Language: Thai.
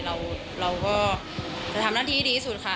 เราก็จะทำหน้าที่ดีที่สุดค่ะ